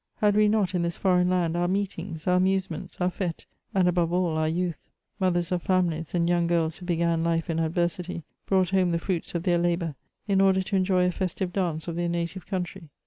Had we not in this foreign land our meetings, our amuse ments, our fetes, and above all, our youth ? Mothers of fisunilies, and young girls who began life in adversity, brought home the fruits of their labour, in order to enjoy a festive dance of titmr native country.